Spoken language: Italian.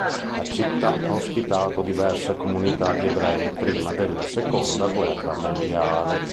La città ha ospitato diverse comunità di ebrei prima della Seconda guerra mondiale.